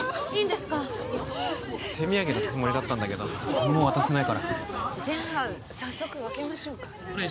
手土産のつもりだったんだけどもう渡せないからじゃあ早速分けましょうかお願いします